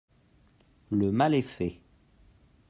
Le mal est fait